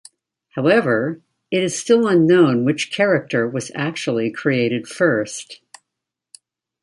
However, it is still unknown which character was actually created first.